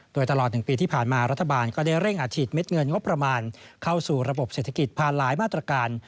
โดยตลอด๑ปีที่ผ่านมารัฐบาลก็ได้เร่งอาถิตเม็ดเงินงบประมาณเข้าสู่ระบบเศรษฐกิจผ่านหลายมาตรการ